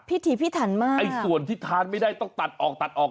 พิธีพิษฐานมากไอ้ส่วนที่ทานไม่ได้ต้องตัดออก